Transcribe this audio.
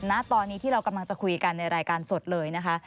ณตอนนี้ที่เรากำลังจะคุยกันในรายการสดเลยนะคะ